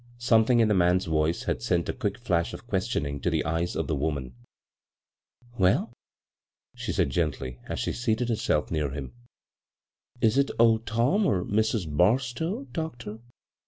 Something in the man's voice had sent a quick flash of questioning to the eyes of the woman. "Well?" she said gendy^ as she seated herself near him. " Is it old Tom, or Mrs. Barstow, doctor?"